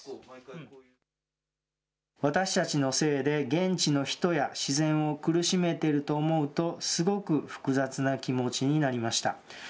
私たちのせいで現地の人や自然を苦しめていると思うと、すごく複雑な気持ちになりました。